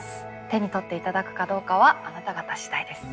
手に取って頂くかどうかはあなた方次第です。